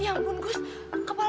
dasar ontang atau diri